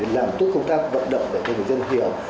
làm tốt công tác vận động để cho người dân hiểu